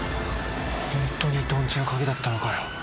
本当に伊藤んちの鍵だったのかよ。